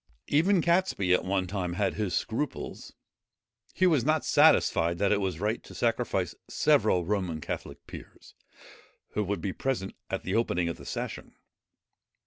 Even Catesby at one time had his scruples. He was not satisfied that it was right to sacrifice several Roman Catholic peers, who would be present at the opening of the session.